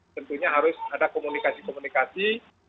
tentunya harus ada komunikasi komunikasi